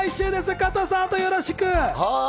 加藤さん、あとはよろしく。